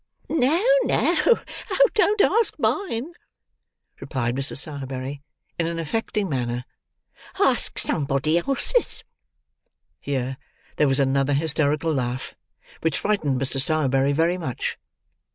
"No, no, don't ask mine," replied Mrs. Sowerberry, in an affecting manner: "ask somebody else's." Here, there was another hysterical laugh, which frightened Mr. Sowerberry very much.